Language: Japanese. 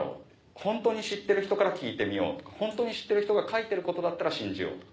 「ホントに知ってる人から聞いてみよう」とか「ホントに知ってる人が書いてることだったら信じよう」。